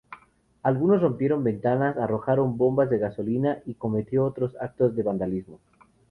Algunos rompieron ventanas, arrojaron bombas de gasolina, y cometió otros actos de vandalismo.